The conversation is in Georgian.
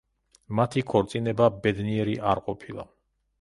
მათი ქორწინება ბედნიერი არ ყოფილა.